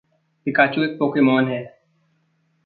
पिकाचु एक पोकेमॉन है।